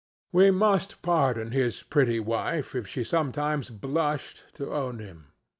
We must pardon his pretty wife if she sometimes blushed to own him.